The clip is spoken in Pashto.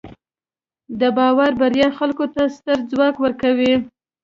د باور بریا خلکو ته ستر ځواک ورکوي.